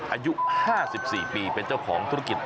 อายุ๕๔ปีเป็นเจ้าของธุรกิจ